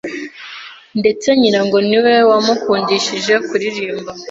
ndetse nyina ngo ni we wamukundishije kuririmba